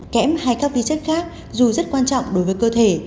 kẽm hay các vi chất khác dù rất quan trọng đối với cơ thể